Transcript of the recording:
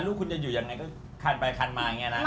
ลูกคุณจะอยู่ยังไงก็คันไปคันมาอย่างนี้นะ